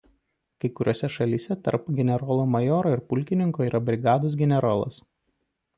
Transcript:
Kai kuriose šalyse tarp generolo majoro ir pulkininko yra brigados generolas.